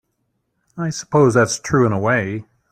I suppose that's true in a way.